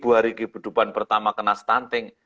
dua hari kehidupan pertama kena stunting